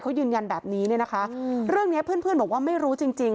เขายืนยันแบบนี้เลยนะคะเรื่องนี้เพื่อนบอกว่าไม่รู้จริง